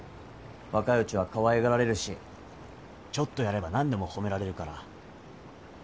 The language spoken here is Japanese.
若いうちはかわいがられるしちょっとやれば何でも褒められるから